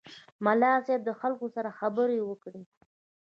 ملا صیب د خلکو سره خبرې وکړې.